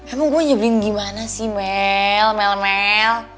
emang gue nyebelin gimana sih mel mel mel